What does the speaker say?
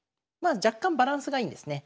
あ若干バランスがいいんですね。